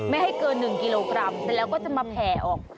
ไม่ให้เกิน๑กิโลกรัมแต่เราก็จะมาแผ่ออก